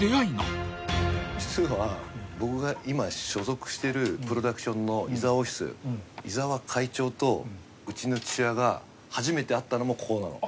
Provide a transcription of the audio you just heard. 実は僕が今所属してるプロダクションのイザワオフィス井澤会長とうちの父親が初めて会ったのもここなの。